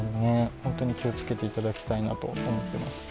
本当に気を付けていただきたいなと思っています。